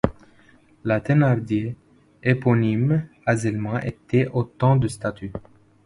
La Thénardier, Éponine, Azelma étaient autant de statues.